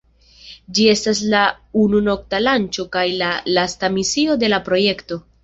Ĝi estis la unu nokta lanĉo kaj la lasta misio de la projekto.